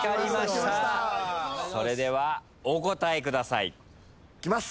それではお答えください。いきます。